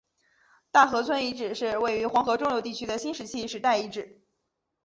大河村遗址是位于黄河中游地区的新石器时代遗址。